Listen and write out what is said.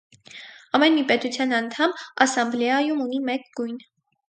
Ամեն մի պետության անդամ ասամբլեայում ունի մեկ գույն։